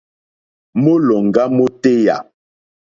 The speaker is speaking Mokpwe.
Mólòŋɡá mótéyà.